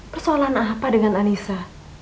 persoalan apa dengan anissa